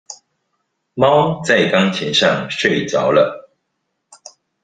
貓在鋼琴上睡著了